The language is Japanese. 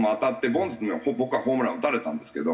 ボンズには僕はホームラン打たれたんですけど。